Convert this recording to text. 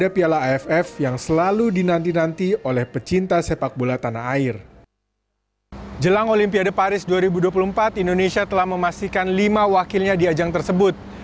piala asia dua ribu dua puluh empat di qatar tentunya menjadi ajang tersebut